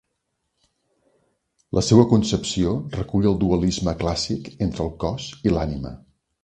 La seua concepció recull el dualisme clàssic entre el cos i l'ànima.